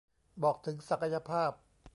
บอกถึงศักยภาพ